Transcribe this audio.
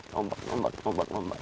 nombak nombak nombak nombak